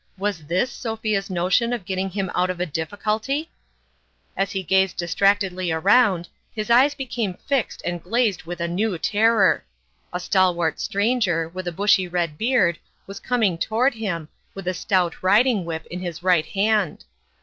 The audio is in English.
Was this Sophia's notion of getting him out of a difficulty ? As he gazed distractedly around, his eyes became fixed and glazed with a new terror. A stalwart stranger, with a bushy red beard, was coming toward him, with a stout riding whip in his right hand.